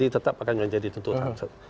tetap akan menjadi tuntutan